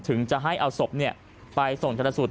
ถึงจะให้เอาศพไปส่งชนสูตร